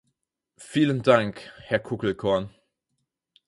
Vielen Dank, Herr Kuckelkorn.